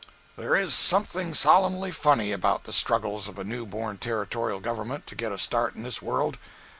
There is something solemnly funny about the struggles of a new born Territorial government to get a start in this world.